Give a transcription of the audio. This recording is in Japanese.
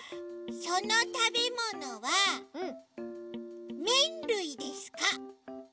そのたべものはめんるいですか？